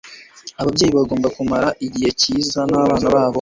ababyeyi bagomba kumarana igihe cyiza nabana babo